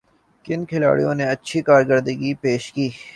کن کھلاڑیوں نے اچھی کارکردگی پیش کی